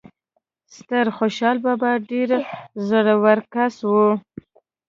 ستر خوشال بابا ډیر زړه ور کس وو